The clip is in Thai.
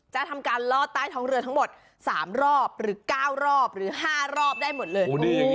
จะทำการลอดใต้ท้องเรือทั้งหมด๓รอบหรือ๙รอบหรือ๕รอบได้หมดเลย